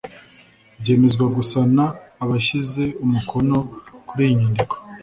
byemezwa gusa n abashyize umukono kuri iyi nyandiko